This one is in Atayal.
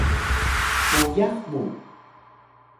muyax mu